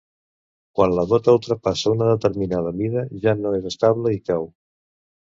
Quan la gota ultrapassa una determinada mida ja no és estable i cau.